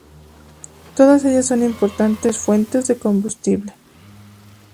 Todas ellas son importantes fuentes de combustible.